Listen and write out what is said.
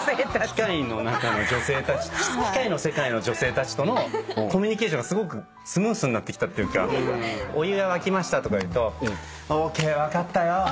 機械の世界の女性たちとのコミュニケーションがすごくスムースになってきたというか「お湯が沸きました」とか言うとＯＫ分かったよ。